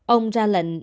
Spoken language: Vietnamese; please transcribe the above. ông ra lệnh